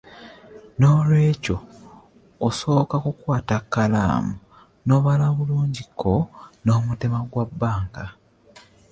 Noolwekyo olina kusooka kukwata kkalaamu n’obala bulungi ko n’omutemwa gwa Banka.